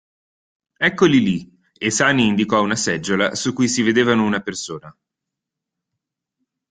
Eccoli lì, e Sani indicò una seggiola su cui si vedevano una persona.